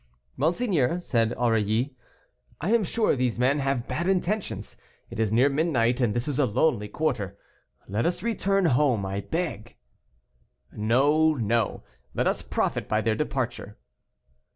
"Monseigneur," said Aurilly, "I am sure these men have bad intentions; it is near midnight, and this is a lonely quarter; let us return home, I beg." "No, no; let us profit by their departure."